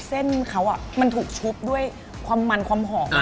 เส้นเขามันถูกชุบด้วยความมันความหอม